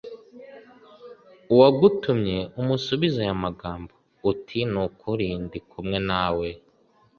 Uwagutumye umusubize ay’ amagambo uti nukuri ndikumwe nawe